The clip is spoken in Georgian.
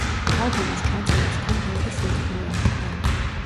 ალბომის ჩაწერას თან ბევრი სირთულე ახლდა.